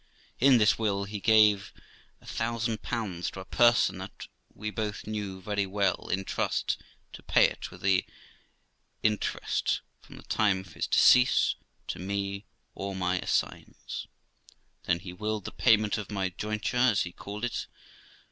In this will he gave a thousand pounds to a person that we both knew very well, in trust, to pay it, with the interest from the time of his decease, to me or my assigns ; then he willed the payment of my jointure, as he called it, viz.